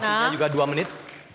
waktunya juga dua menit